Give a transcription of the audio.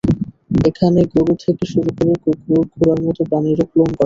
এখানে গরু থেকে শুরু করে কুকুর, ঘোড়ার মতো প্রাণীরও ক্লোন করা হবে।